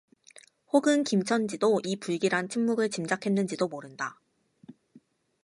혹은 김첨지도 이 불길한 침묵을 짐작했는지도 모른다.